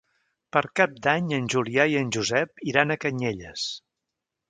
Per Cap d'Any en Julià i en Josep iran a Canyelles.